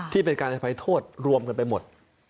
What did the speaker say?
ที่เป็นการอภัยโทษรวมกันไปหมด